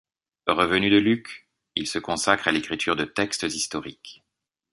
Revenu de Lucques, il se consacre à l'écriture de textes historiques.